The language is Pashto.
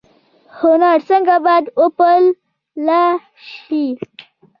هنر باید څنګه وپال ل شي؟